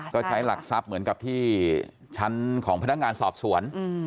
ก็ใช้หลักทรัพย์เหมือนกับที่ชั้นของพนักงานสอบสวน